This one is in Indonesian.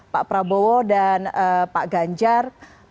pak prabowo dan pak ganjar